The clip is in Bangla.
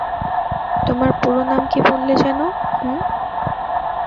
তোমার পুরো নাম কী বললে যেন, হুম?